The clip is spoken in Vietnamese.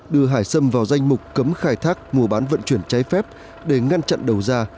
đưa hải xâm vào danh mục cấm khai thác mua bán vận chuyển trái phép để ngăn chặn đầu ra